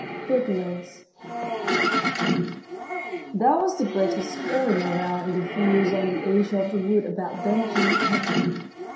IV FIDDLERS There was the greatest scurrying around in the fields on the edge of the woods about Ben Gile's cabin.